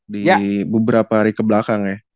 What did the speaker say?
di beberapa hari kebelakang ya